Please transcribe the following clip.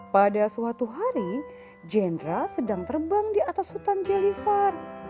pada suatu hari jendra sedang terbang di atas hutan jelifar